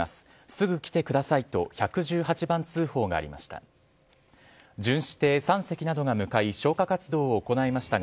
すぐ来てくださいと１１８番通報がありました。